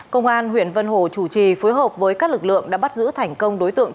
công an huyện vân hồ chủ trì phối hợp với các lực lượng đã bắt giữ thành công đối tượng